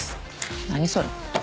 何それ。